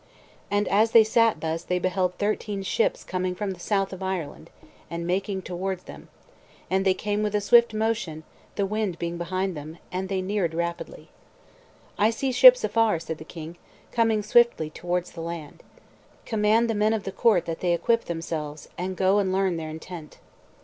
And as they sat thus they beheld thirteen ships coming from the south of Ireland, and making towards them; and they came with a swift motion, the wind being behind them; and they neared them rapidly. "I see ships afar," said the king, "coming swiftly towards the land. Command the men of the court that they equip themselves, and go and learn their intent."